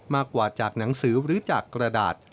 มากกว่าจากหนังสือหรือจากกระดาษ